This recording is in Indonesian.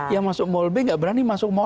yang masuk mall b nggak berani masuk mall